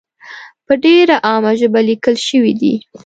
په ډېره عامه ژبه لیکل شوې دي.